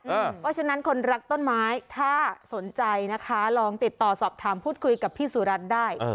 เพราะฉะนั้นคนรักต้นไม้ถ้าสนใจนะคะลองติดต่อสอบถามพูดคุยกับพี่สุรัตน์ได้